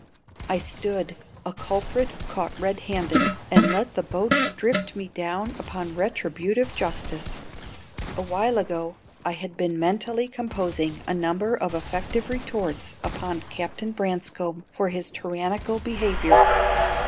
I stood a culprit caught red handed and let the boat drift me down upon retributive justice. A while ago I had been mentally composing a number of effective retorts upon Captain Branscome for his tyrannical behaviour.